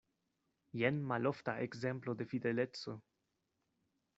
Jen malofta ekzemplo de fideleco.